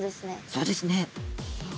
そうですね。